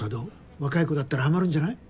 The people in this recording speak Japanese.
若い子だったらハマるんじゃない？